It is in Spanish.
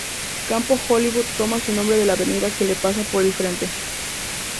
Campo Hollywood, toma su nombre de la avenida que le pasa por el frente.